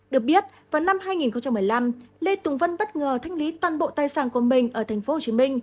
được biết vào năm hai nghìn một mươi năm lê tùng vân bất ngờ thanh lý toàn bộ tài sản của mình ở tp hcm